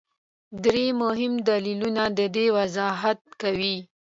درې مهم دلیلونه د دې وضاحت کوي.